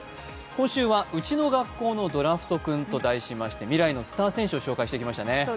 今週は「ウチの学校のドラフト君」と題しまして、未来のスター選手を紹介してきましたね。